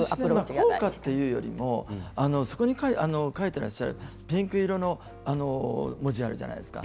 私は効果というよりもそこに書いてらっしゃるピンク色の文字があるじゃないですか